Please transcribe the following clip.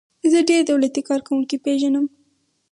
زه ډیر دولتی کارکوونکي پیژنم.